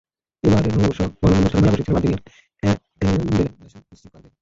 এবারের নববর্ষ বরণ অনুষ্ঠানের মেলা বসেছিল ভার্জিনিয়ার অ্যানেন্ডেলের ম্যাশন ডিষ্ট্রিক পার্কে।